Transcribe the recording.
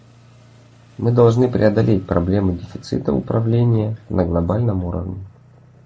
Мы должны преодолеть проблему дефицита управления на глобальном уровне.